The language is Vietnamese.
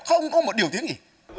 không có một điều tiếng gì